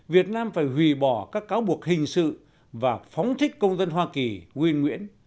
việt nam phải hủy bỏ các cáo buộc hình sự và phóng thích công dân hoa kỳ wi nguyễn